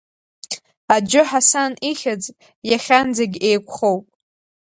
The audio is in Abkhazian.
Аџьы Ҳасан ихьӡ, иахьанӡагь еиқәхоуп.